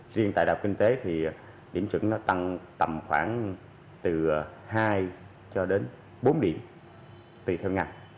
riêng tại đào kinh tế thì điểm chuẩn nó tăng tầm khoảng từ hai cho đến bốn điểm tùy theo ngày